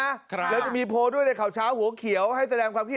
แล้วจะมีโพลด้วยในข่าวเช้าหัวเขียวให้แสดงความคิด